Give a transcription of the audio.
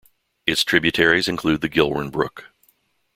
Its tributaries include the Gilwern Brook.